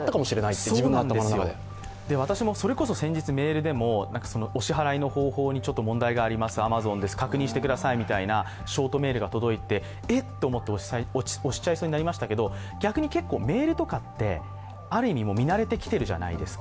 そうなんですよ、私もそれこそ先日、メールでもお支払いの方法に問題があります、アマゾンです、確認してくださいみたいなショートメールが届いてえっと押しちゃいそうになりましたけれども逆に結構メールとかってある意味、見慣れてきてるじゃないですか。